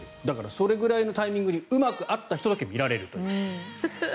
だからそれぐらいのタイミングにうまく合った人だけ見られると。